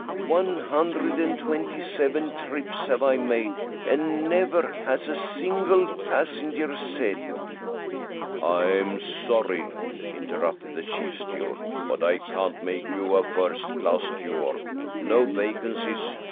One hundred and twenty seven trips have I made, and never has a single passenger said " "I'm sorry," interrupted the chief steward, "but I can't make you a first class steward. No vacancies.